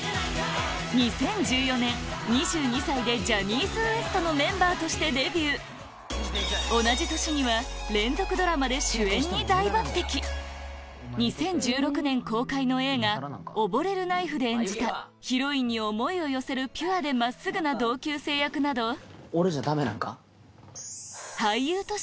２０１４年２２歳でジャニーズＷＥＳＴのメンバーとしてデビュー２０１６年公開の映画『溺れるナイフ』で演じたヒロインに思いを寄せるピュアで真っすぐな同級生役など俺じゃダメなんか？